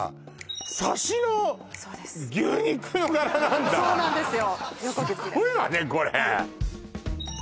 サシのそうです牛肉の柄なんだそうなんですよ